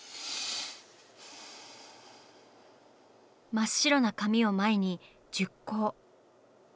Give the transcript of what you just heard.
真っ白な紙を前に熟考。